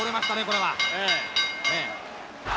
これは。